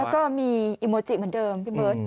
แล้วก็มีอิโมจิเหมือนเดิม